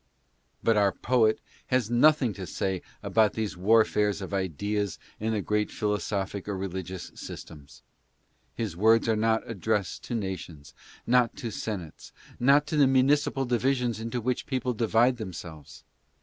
But our poet has nothing to say about these warfares of ideas in the great philosophic or religious systems. His words are not addressed to nations ; not to senates ; not to the municipal divisions into which people divide themselves.